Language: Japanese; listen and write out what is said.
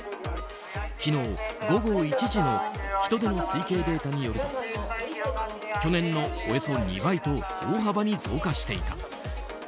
昨日午後１時の人出の推計データによると去年のおよそ２倍と大幅に増加していた。